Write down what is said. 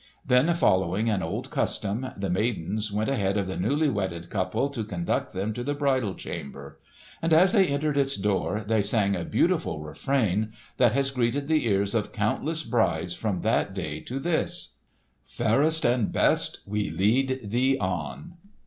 Then following an old custom the maidens went ahead of the newly wedded couple to conduct them to the bridal chamber. And as they entered its door they sang a beautiful refrain that has greeted the ears of countless brides from that day to this: "Fairest and best We lead thee on!"